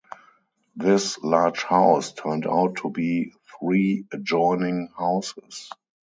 This large house turned out to be three adjoining houses.